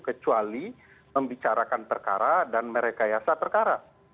kecuali membicarakan perkara dan mereka iasa perkara